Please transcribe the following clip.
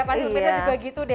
pasti pilihnya juga gitu deh